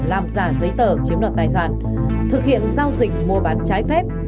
làm giả giấy tờ chiếm đoạt tài sản thực hiện giao dịch mua bán trái phép